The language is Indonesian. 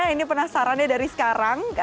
ini penasarannya dari sekarang